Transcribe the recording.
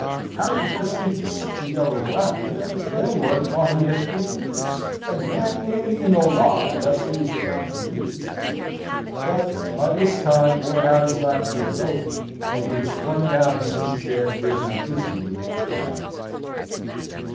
Harry burst into such a yell of laughter that his landlord thought he had good news, and ran in in alarm lest he was about to lose his tenant. But by this time poor Harry's laughter was over, and he was flung down in his chair gazing dismally in the fire.